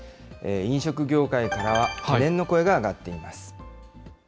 飲食業界からは懸念の声が上がっています。